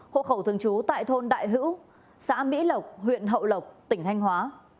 hộ khẩu thường trú tại thôn đại hữu xã mỹ lộc huyện hậu lộc tỉnh thanh hóa